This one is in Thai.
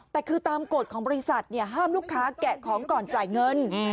แต่คือตามกฎของบริษัทห้ามลูกค้าแกะของก่อนจ่ายเงิน